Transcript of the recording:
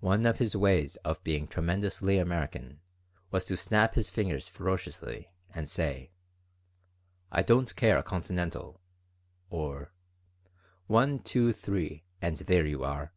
One of his ways of being tremendously American was to snap his fingers ferociously and to say, "I don't care a continental!" or, "One, two, three, and there you are!"